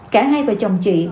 cả hai vợ chồng chị